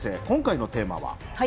今回のテーマは？